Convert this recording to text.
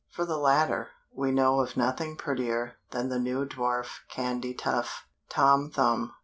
For the latter, we know of nothing prettier than the new dwarf Candytuft, Tom Thumb.